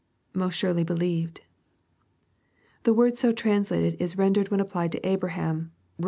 [Moti swrely helieved.] The word so translated is rendered, when applied to Abraham, (Rom.